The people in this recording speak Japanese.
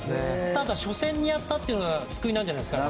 ただ、初戦にやったっていうのが救いじゃないですか。